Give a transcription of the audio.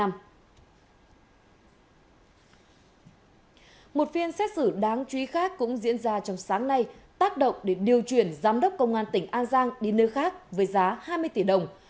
một phiên xét xử đáng chú ý khác cũng diễn ra trong sáng nay tác động để điều chuyển giám đốc công an tỉnh an giang đi nơi khác với giá hai mươi tỷ đồng